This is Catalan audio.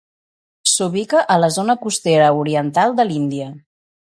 S'ubica a la zona costera oriental de l'Índia.